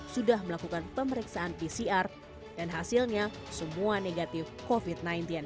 sudah melakukan pemeriksaan pcr dan hasilnya semua negatif covid sembilan belas